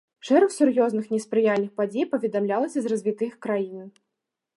Шэраг сур'ёзных неспрыяльных падзей паведамлялася з развітых краін.